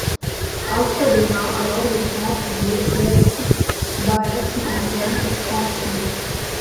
Acre devint alors le centre du bahaïsme en pleine expansion.